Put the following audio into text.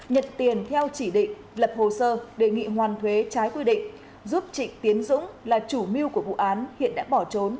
nhận tiền theo chỉ định lập hồ sơ đề nghị hoàn thuế trái quy định giúp trịnh tiến dũng là chủ mưu của vụ án hiện đã bỏ trốn